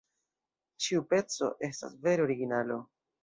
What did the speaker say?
Ĉiu peco estas vere originalo!